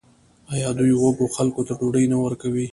آیا دوی وږو خلکو ته ډوډۍ نه ورکوي؟